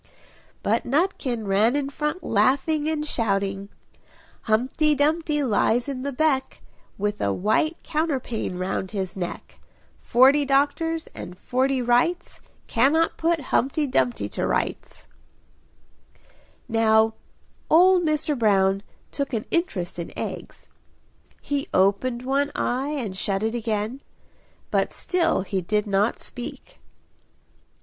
But Nutkin ran in front laughing, and shouting "Humpty Dumpty lies in the beck, With a white counterpane round his neck, Forty doctors and forty wrights, Cannot put Humpty Dumpty to rights!" Now old Mr. Brown took an interest in eggs; he opened one eye and shut it again. But still he did not speak.